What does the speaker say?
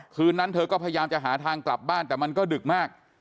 คืนนั้นเธอก็พยายามจะหาทางกลับบ้านแต่มันก็ดึกมาก